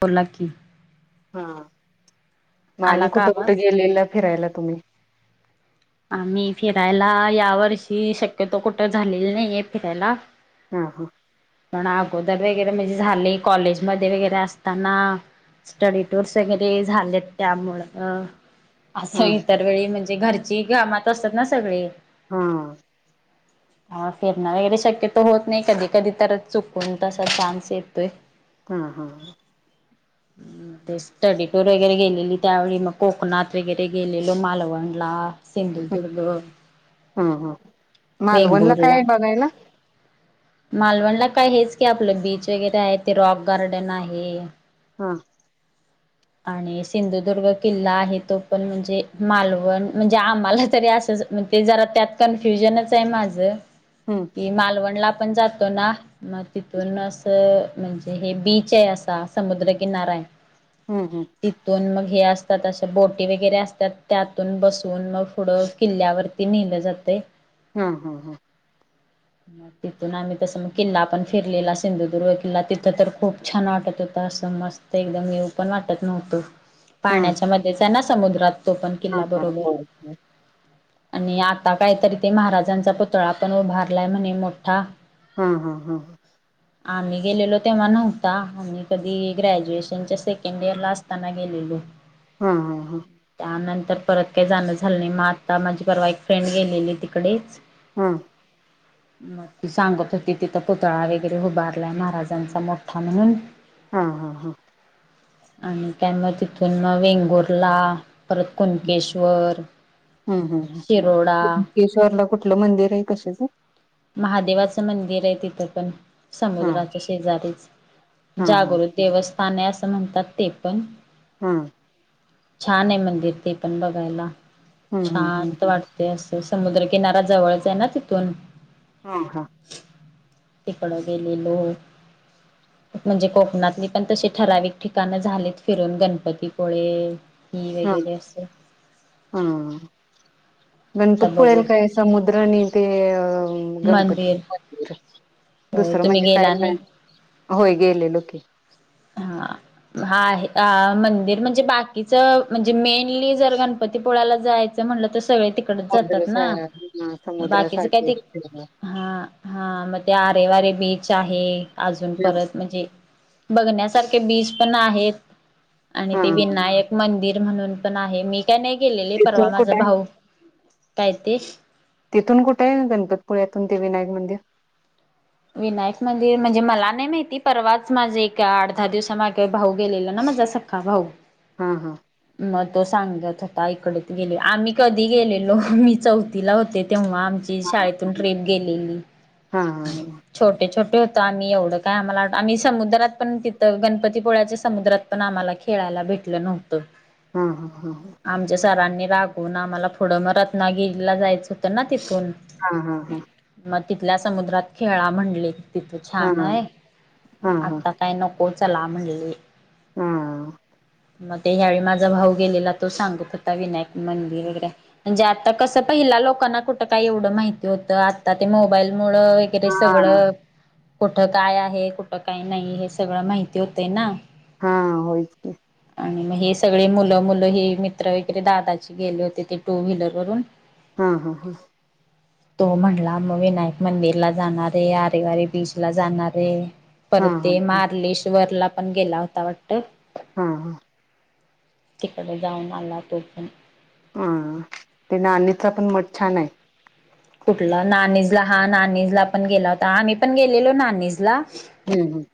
बोला की. हा. म आला आणि का कुठं कुठ आवाज? गेलेलं फिरायला तुम्ही? आम्ही फिरायला या वर्षी शक्यतो कुठ झालेली नाहीये फिरायला. ह. ह. पण अगोदर वगैरे म्हणजे झालेय. कॉलेजमध्ये वगैरे असताना. स्टडी टूर्स वगैरे झालेत. त्यामुळं अं हा असं इतर वेळी म्हणजे घरची कामात असतात ना सगळे. हम्म. फिरणं वगैरे शक्यत होत नाही. कधी कधी तर चुकून तसा चान्स येतोय. हम्म हम्म. ते स्टडीटूर वगैरे गेलेली. त्यावेळी मग कोकणात वगैरे गेलेलो. मालवणला. सिंधुदुर्ग. हम्म हम्म. मालवणला वेंगुर्ला काये बघायला? मालवणला काय हेच की आपलं बीच वगैरे आहे. ते रॉक गार्डन आहे. हा. आणि सिंधुदुर्ग किल्ला आहे तो पण. म्हणजे मालवण म्हणजे आम्हाला तरी असंच मग ते जरा त्यात कन्फ्युजनच आहे माझं. हम्म. की मालवणला आपण जातो ना. मग तिथून असं म्हणजे हे बीच आहे असा. समुद्र किनाराय. हम्म हम्म. तिथून मग हे असतात, अशा बोटी वगैरे असतात, त्यातून बसून मग पुढं किल्ल्यावर- ती नेल जातय. हा हा, हा. मग तिथून आम्ही तसं, मग किल्ला पण फिरलेला सिंधुदुर्ग किल्ला तिथं तर खूप छान वाटत होत असं मस्त. एकदम येऊ पण वाटत नव्हत. हम्म पाण्याच्या मध्येच ना समुद्रात. ते पण हा हा किल्लाबरोबर. हो आणि आता काहीतरी ते महाराजांचा पुतळा पण उभारलाय म्हणे मोठा. हा, हा, हा. आम्ही गेलेलो तेव्हा नव्हता, आम्ही कधी ग्रॅज्युएशनच्या सेके- केंड एअरला असताना गेलेलो. हा हा, हा. त्यानंतर परत काही जाणं झालं नाही, मग आता माझी परवा एक फ्रेंड गेलेली तिकडेच. हा. मग ती सांगत होती, तिथं पुतळा वगैरे उभारलाय महाराजांचा मोठा म्हणून. हा, हा, हा. आणि काय मग तिथून मग वेंगुर्ला- परत कुणकेश्वर, शिरोडा- केेश्वरला कुठलं मंदिर आहे कशाचं? महादेवाचं मंदिर आहे तिथं पण, हा समुद्राच्या शेजारीच हा हा हा जागृत- देवस्थान आहे, असं म्हणतात ते पण. हा. छान आहे मंदिर ते पण बघायला हम्म हम्म शांत वाटत. ते असंतय, समुद्रकिनार्या जवळच आहे ना तिथून. हा, हा. तिकडं गेलेलो. [inaudible] म्हणजे, कोकणातली पण तशी ठराविक ठिकाण झालीत फिरून गणपतीपुळे- ही हा वगैरे असे. हा. गणपतीपुळेला बघू काय समुद्र आणि ते अ गणपती मंदिर [unintelligible] होय दुसरं तुम्ही म्हणजे काय गेला नाही. होय गेलेलो की. हा. हा, आहे मंदिर म्हणजे बाकीच म्हणजे मेनली जर गणपतीपुळला जायचं- म्हणलं तर सगळे तिकडच जातात ना, समुद्र बाकीचे काय समुद्रासाठी ते- हा, हा, मग ते आरेवारे बीच आहे, अजून परत म्हणजे- बघण्यासारखे बीच पण आहेत आणि हा ते विनायक- मंदिर म्हणून पण आहे, मी काय नाही गेलेले, तिथून परवा माझा कुठे आहे भाऊ काय ते? तिथून कुठे आहे, गणपतीपुळ्यातून ते विनायक मंदिर? विनायक म्हणे म्हणजे मला नाही माहिती, परवाच माझे एक आठ, दहा दिवसा मागे भाऊ गेलेलं ना माझं स- [inaudible] हा, हा. मग तो सांगत होता, इकडे गेले आम्ही कधी गेलेलो मी चौथीला होते तेव्हा आमचे- ती शाळेतून ट्रिप गेलेली. हा हा छोटे, छोटे होतो आम्ही एवढं काय आम्हाला आठ- आणि समुद्रात पण तिथं गणपतीपोळ्याच्या समुद्रात- पण आम्हाला खेळायला भेटलं नव्हतं. हां हां हां हां. आमच्या सरांनी रागवून आम्हाला पुढं म रत्नागिरीला जायचं होतं ना तिथून हा हा हा. मग तिथल्या समुद्रात खेळा म्हणले तिथ हा छान हा आहे हा हा आता काय नको चला म्हणले. आं म ते ह्यावेळी माझा भाऊ गेलेला तो सांगत होता विनायक मंदिर वगैरे म्हणजे आता कसं पहिला लोकांना कुठं काय एवढं माहिती होतं आत्ता ते मोबाईल मूळं गैरे हा सगळं कुठं काय आहे कुठं काय नाही हे सगळं माहिती होतंय ना. हा हा होयच की. आणि म हे सगळे मुलं-मुलं हे मित्र वगैरे दादाचे गेले होते ते टू व्हीलर वरून. हा हा हा. तो म्हणला म विनायक मंदिरला जाणारे आरेवारी बीच ला जाणार आहे. हा परत हा ते मार्लेश्वर ला पण गेला होता वाटतं. हां हां. तिकडे जाऊन आला तो पण. आं तो नाणीजचा पण मठ छान आहे. कुठला नानीजला हा नानीजला पण गेला होता आम्ही पण गेलेलो नानीजला. हम्म हम्म.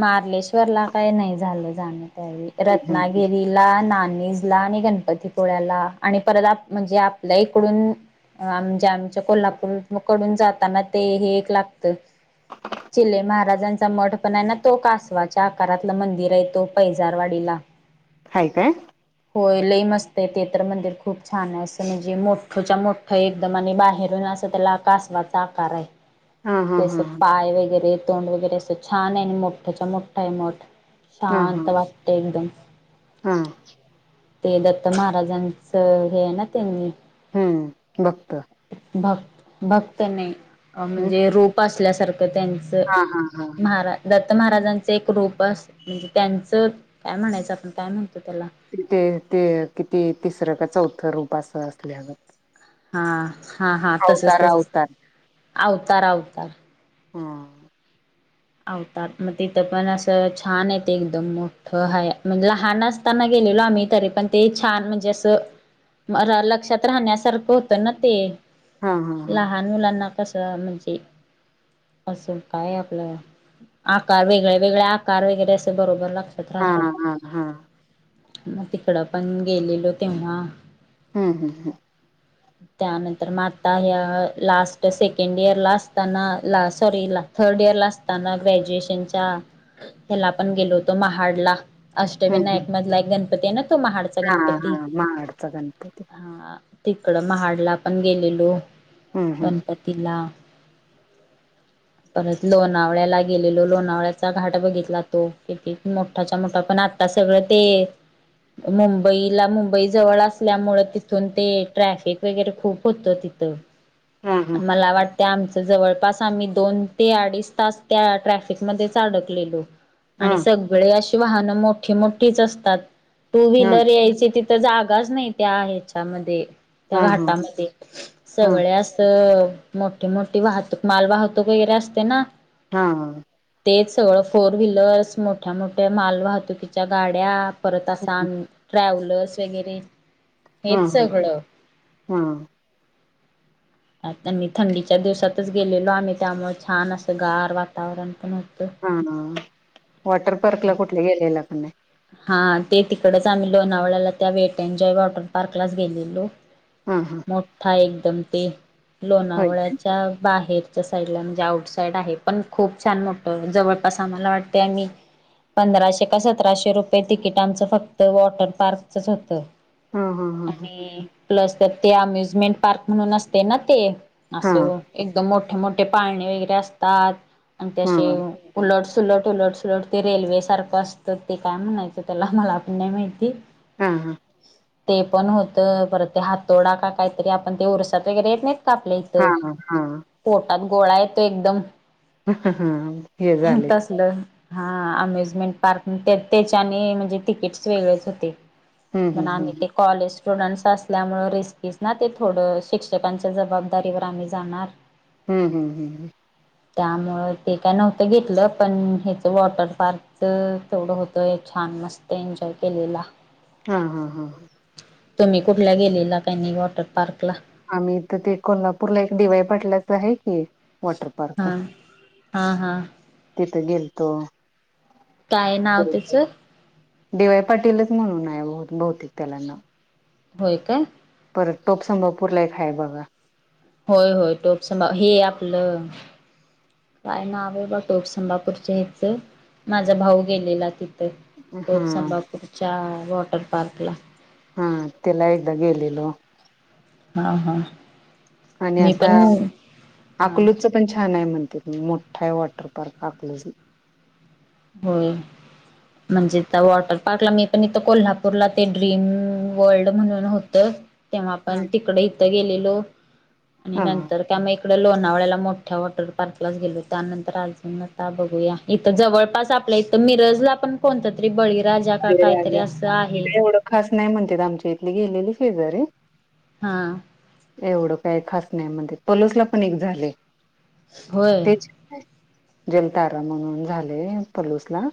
मार्लेश्वरला काय नाही झालं जाण त्यावेळी हम्म हम्म रत्नागिरी ला नाणीजला आणि गणपतीपुळ्याला आणि परत आप म्हणजे आपल्या इकडून अ आमज्या आमच्या कोल्हापूर कडून जाताना ते हे एक लागतं. चिले महाराजांचा मठ पण आहे ना तो कासवाच्या आकारातलं मंदिर आहेे तो पैजारवाडीला. हाय काय? होय लयं मस्त आहेे ते तर मंदिर खूप छान आहे असं म्हणजे मोठच्या मोठं एकदम आणि बाहेर रून असा त्याला कासवाचा आकार आहे हा हा ते असं हा पाय वगैरे तोंड वगैरे असं छान आहे आणि मोठच्या मोठा आहे मठ शांत वाटतंय एकदम. हां. ते दत्त महाराजांचं हे आहे ना त्यांनी हम्म भक्त भक् भक्त नाही अ हम् म्हणजे रूप असल्यासारखं त्यां च हा हा हा महारा दत्त महाराजांच एक रूपस म्हणजे त्यांचं काय म्हणायचं आपण काय म्हणतो त्याला ते ते किती तिसरं का चौथं रूप असं असल्यागत. हा हा हा तसंच अवतार तसंच अवतार अवतार अवतार. हां. आवतारं म तिथं पण असं छान आहे ते एकदम मोठं हाय म्हणजे लहान अस ताना गेलेलो आम्ही तरी पण ते छान म्हणजे असं म र लक्षात राहण्यासारखं होतं ना ते. हा हा लहान मुलांना कसं म्हणजे असं काय आपलं आकार वेगळे-वेगळे आकार वगैरे असे बरोबर लक्षात हा राहतात. हा हा हा मग तिकडं पण गेलेलो तेव्हा. हम्म हम्म हम्म. त्यानंतर म आत्ता ह्या लास्ट सेकंड इयर ला असताना ला सॉरी ला थर्ड इयर ला अस ताना ग्रॅज्युएशनच्या ह्याला पण गेलो होतो महाड ला. हम्म हम्म हम्म अष्टविनायक मधला एक गणपती आहे ना, तो महाडचा हा गणपती हा महाडचा गणपती हा. तिकडं महाडला पण गेलेलो, हम्म पण तिला, परत लोन लोणावळ्याला गेलेलो, लोणावळ्याचा घाट बघितला तो, किती मोठा-मिठाच्या पण आत्ता सगळं ते. मुंबईला मुंबई जवळ असल्यामूळ तिथून ते ट्रॅफिक वगैरे खूप होतं तिथं. हम. मला वाटतंय आमचं जवळपास आम्ही दोन ते अडीच तास त्या ट्रॅफिकमध्येच अडकलेलो. आणि हा सगळे अशी वाहनं मोठी मोठीच असतात, टू हा व्हीलर यायचे ति तर जागाच नाही, त्या ह्याच्यामध्ये, त्या हा हा घाटामध्ये हा सगळे असत तर मोठे-मोठी वाहतूक माल वाहतूक वगैरे असते ना. हा. तेच सगळं फोर व्हीलर्स मोठ्या-मोठ्या मालवाहतुकीच्या गाड्या परत आसन, ट्रॅव्हलर्स वगैरे हेच हम्म-हम्म, सगळं हम्म. आता मी, थंडीच्या दिवसातच गेलेलो आम्ही, त्यामुळे छान असं गार वातावरण पण होतं. हम्म-हम्म, वॉटर पार्क ला कुठले गेलेला काय नाही. हा ते तिकडेच आम्ही लोणावळ्याला त्या वेटनजॉय वॉटर पार्कलाच गेलेलो. हम्म-हम्म मोठा एकदम ते, होय काय लोणावळ्याच्या बाहेर. साईड ला म्हणजे आउट साईड आहे, पण खूप छान मोठं जवळपास आम्हाला वाटते आम्ही पंधराशे काय सत राशे रुपये तिकीट आमचं फक्त वॉटर पार्कचच होत. हा हा हा आणि प्लस तर ते अम्युजमेंट पार्क म्हणून असते ना ते हा असं. एकदम मोठे-मोठे पाळणे वगैरे असतात आणि त्यासे हा उलट-सलट उलट-सलट ते रेल्वे सारखं असतं. तर ते काय म्हणायचं त्याला मला आपण नाही माहिती. हम्म-हम्म ते पण होतं, परत ते हातोडा का काहीतरी आपण ते उरसात वगैरे येत नाहीत. कापलं इथ, हा हा पोटात गोळा येतो एकदम. हम्म-हम्म हे झाले. लं. हा अम्युजमेंट पार्क त्याच्याने म्हणजे तिकीट वेगळेच होते. हम्म हम्म पण आम्ही ते हम्म कॉलेज स्टुडंट्स असल्यामुळे रिस्पीज ना ते थोडं शिक्षकांच्या जबाबदारीवर आम्ही जाणार. हम्म-हम्म-हम्म. त्यामुळ ते काय नव्हतं घेतलं, पण हेच वॉटर पार्क. ते तेवढं होतय छान मस्त एन्जॉय केलेला. हा-हा-हा. तुम्ही कुठल्या गेलेला कानी वॉटर पार्क ला. आम्ही इथ ते कोल्हापूरला एक डी-वाय पाटल्याचं आहे की वॉटर पार्क हा, हा-हा. तिथं गेलतो काय नाव तेचं. डी-वाय पाटीलच म्हणून आहे. भौतिक त्याला नाव. होय काय. परत टोप संभापूरला एक हाय बघा. होय होय. टोप संभापूर हे आपलं. काय नाव आहे बघा. तोप संभपूरच्या इथं माझा भाऊ गेलेला तिथ. तेच हा तोप संभापूरच्या वॉटर पार्कला, हा तेला एकदा गेलेलो. हा हा. आणि मी पण हा, ते पण छान आहे म्हणत्यात, मोठा आहे वॉटर पार्क अकलूज होय. म्हणजे त्या वॉटर पार्कला मी पण इथ कोल्हापूरला ते ड्रीम वर्ल्ड म्हणून होतं. तेव्हा आपण तिकड इथं गेलेलो. आणि हा नंतर, त्या मग इकड लोणावळ्याला मोठ्या वॉटर पार्कलाच गेलो. त्यानंतर अजून आता बघूया. इथ जवळपास आपल्या इथ मिरजला पण कोणत तरी बळीराजा का ते काहीतरी राजा असं ते आहे. काय एवढं खास नाही म्हणत्यात आमच्या इथली गेलेली शेजारी. हा. एवढं काय खास नाही म्हणत्यात. पलुसला पण एक झाले. होय तेच जलतारा म्हणून झाले पलूस ला.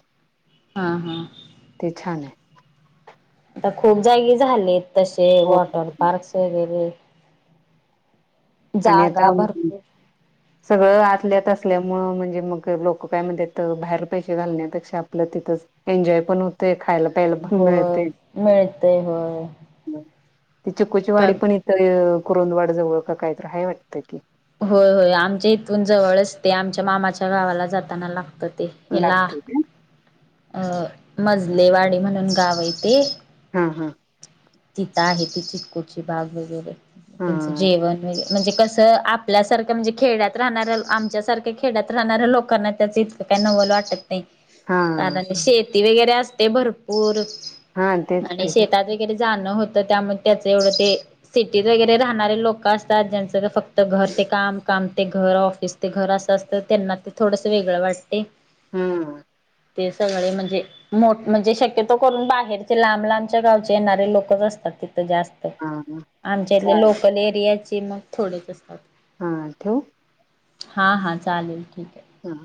हा हा. ते छान आहे. आता खूप जागी झालेत. तसे, हो. वॉटर पार्क्स वगैरे आणि जागा आता, भरपूर सगळं आतल्या आत असल्यामुळं म्हणजे मग लोकं काय म्हणत्यात तर बाहेर पैसे घालण्यापेक्षा आपलं तिथंच एन्जॉय पण होते. खायला प्यायला पण होय. मिळते मिळतेय होय. ती चीकूची का वाडी पण इथ कुरंदवाड जवळ का कायतर हाय वाटतं की, होय होय. आमच्या इथून जवळच ते. आमच्या मामाच्या गावाला जाताना लागतं ते. हेला, लागते का मजलेवाडी म्हणून गाव हाय तेे. हा हा. तिथं आहे ती चिकूची बाग वगैरे. त्याचं हा जेवण वग म्हणजे कसं आपल्यासारखं म्हणजे खेडयात राहणाऱ्या आमच्यासारख्या खेड्यात राहणाऱ्या लोकांना त्याचे काय नवल वाटत नाही. हा. कारण शेती वगैरे असते भरपूर हा तेच आणि की शेतात वगैरे जाणं होतं. त्यामुळे त्याचं एवढं ते सिटीत वगैरे राहणारे लोक असतात. ज्यांचं फक्त घर ते काम. काम ते घर ऑफिस ते घर असं असतं. त्यांना ते थोडंस वेगळं वाटते. हम. ते सगळे म्हणजे मोठ म्हणजे शक्यतो करून बाहेरचे लांब लांबच्या गावचे येणार. लोकच असतात तिथ जास्त. हा आमच्या इथले चाल लोकल एरियाचे मग, थोडेच असतात. हां ठेवू? हां हां चालेल ठीक आहे. हा.